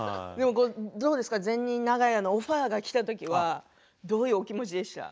どうですか「善人長屋」のオファーがきたときはどういう気持ちでしたか。